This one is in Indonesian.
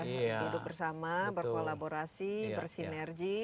hidup bersama berkolaborasi bersinergi